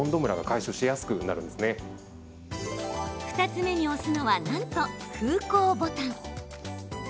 ２つ目に押すのはなんと風向ボタン。